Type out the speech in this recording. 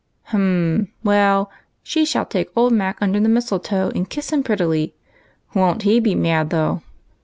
" Hum, well, she shall take old Mac under the mistletoe and kiss him prettily. Won't he be mad, though